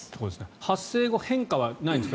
発生後変化はないんですか？